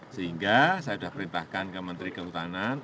sehingga saya sudah perintahkan ke menteri kehutanan